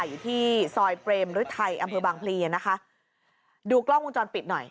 อยู่ที่ซอยเตรียมหรือไทยอำเภอบางพลีนะคะดูกล้องวงจรปิดหน่อย